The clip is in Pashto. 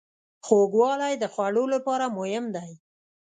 خوږوالی د خوړو لپاره مهم دی.